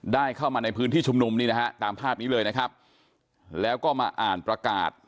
ได้เข้ามาในพื้นที่ชุมนุมนี่นะฮะตามภาพนี้เลยนะครับแล้วก็มาอ่านประกาศ